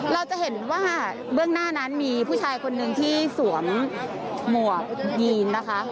เราจะเห็นว่าเบื้องหน้านั้นมีผู้ชายคนนึงที่สวมหมวกยีนนะคะ